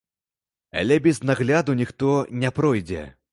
Але без надгляду ніхто не пройдзе.